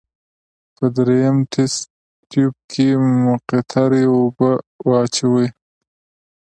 په دریم تست تیوب کې مقطرې اوبه واچوئ.